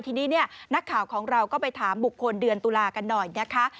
ทีนี้เนี่ยนักข่าวของเราก็ไปถามบุคคลเดือนตุลากันหน่อยนะคะ